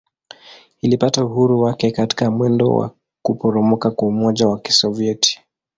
Ilipata uhuru wake katika mwendo wa kuporomoka kwa Umoja wa Kisovyeti.